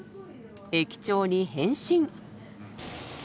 駅長に変身。